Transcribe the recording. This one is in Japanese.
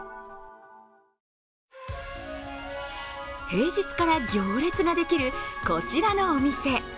平日から行列ができるこちらのお店。